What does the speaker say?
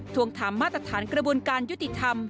ทวงถามมาตรฐานกระบวนการยุติธรรม